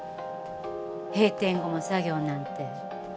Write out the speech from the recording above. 閉店後も作業なんて珍しい。